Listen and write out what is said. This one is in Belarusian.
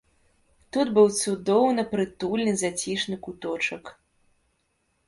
Тут быў цудоўна прытульны зацішны куточак.